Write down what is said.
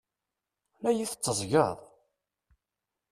La yi-tetteggzeḍ?